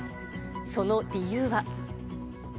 その理由は。